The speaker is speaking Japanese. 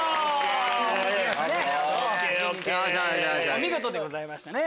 お見事でございましたね。